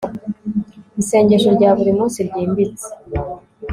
isengesho rya buri munsi ryimbitse